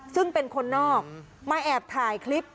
ซึ่งเป็นคนนอกมาแอบถ่ายคลิป